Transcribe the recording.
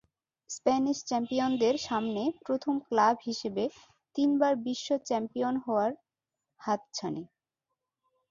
Spanish চ্যাম্পিয়নদের সামনে প্রথম ক্লাব হিসেবে তিনবার বিশ্ব চ্যাম্পিয়ন হওয়ার হাতছানি।